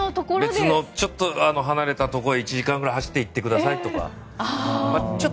別のちょっと離れたところへ１時間ぐらい走っていってくださいとか。